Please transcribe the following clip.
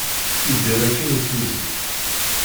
Iḍal akkin i tizi.